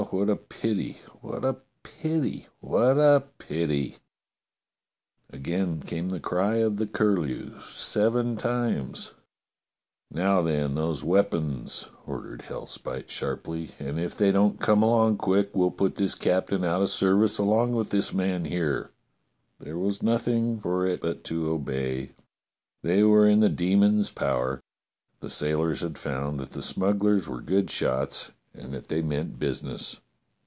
Oh, what a pity, w^hat a pity, what a pity !" Again came the cry of the curlew, seven times. *'Now, then, those weapons!" ordered Hellspite sharply, "and if they don't come along quick we'll put this captain out of service along with his man there." There was nothing for it but to obey. They were in the demons' power. The sailors had found that the smugglers were good shots and that they meant busi ness.